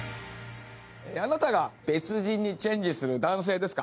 あなたが別人にチェンジする男性ですか？